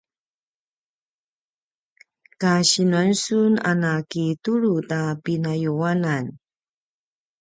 kasinuan sun a na kitulu ta pinayuanan?